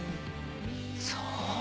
そう。